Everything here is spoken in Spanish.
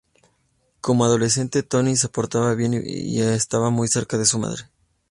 Como adolescente, Tony se portaba bien y estaba muy cerca de su madre.